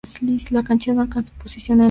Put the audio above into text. La canción no alcanzó posición en las listas.